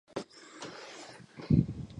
殿试登进士第三甲第三十九名。